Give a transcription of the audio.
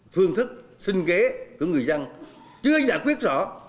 phương thức sinh kế của người dân chưa giải quyết rõ